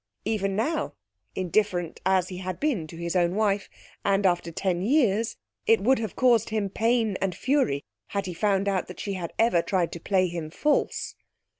Even now, indifferent as he had been to his own wife, and after ten years, it would have caused him pain and fury had he found out that she had ever tried to play him false.